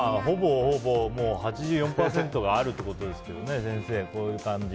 ほぼほぼ、８４％があるってことですけどね。